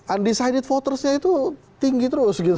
undecided votersnya itu tinggi terus gitu